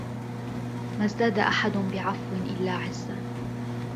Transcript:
مَا ازْدَادَ أَحَدٌ بِعَفْوٍ إلَّا عِزًّا